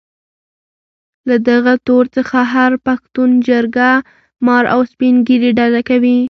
له دغه تور څخه هر پښتون جرګه مار او سپين ږيري ډډه کوي.